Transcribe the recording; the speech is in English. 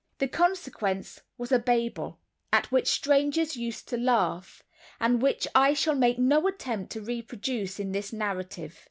The consequence was a Babel, at which strangers used to laugh, and which I shall make no attempt to reproduce in this narrative.